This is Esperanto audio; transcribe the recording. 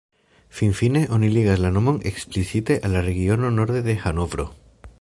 Finfine oni ligas la nomon eksplicite al la regiono norde de Hanovro.